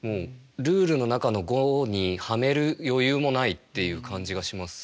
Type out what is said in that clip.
ルールの中の５にはめる余裕もないっていう感じがします。